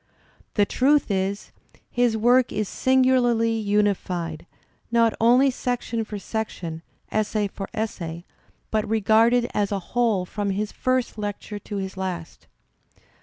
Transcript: The truth is, his work is singularly unified, not only section for section, essay for essay, but regarded as a whole from his first lecture to his last.